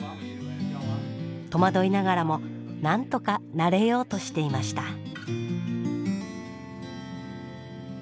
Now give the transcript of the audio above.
戸惑いながらもなんとか慣れようとしていました。